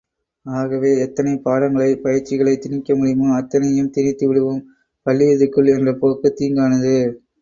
ஆகவே எத்தனைப் பாடங்களை, பயிற்சிகளை திணிக்க முடியுமோ அத்தனையையும் திணித்து விடுவோம் பள்ளியிறுதிக்குள் என்ற போக்கு தீங்கானது.